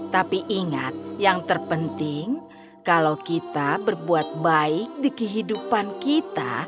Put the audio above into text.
tapi ingat yang terpenting kalau kita berbuat baik di kehidupan kita